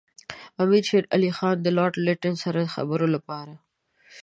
امیر شېر علي خان د لارډ لیټن سره د خبرو لپاره.